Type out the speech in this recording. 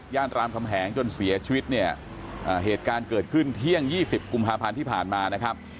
รามคำแหงจนเสียชีวิตเนี่ยเหตุการณ์เกิดขึ้นเที่ยง๒๐กุมภาพันธ์ที่ผ่านมานะครับ